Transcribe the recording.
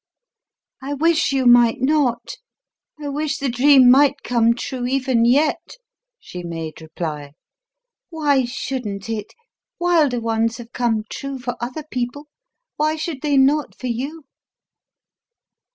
"I wish you might not; I wish the dream might come true, even yet," she made reply. "Why shouldn't it? Wilder ones have come true for other people; why should they not for you?"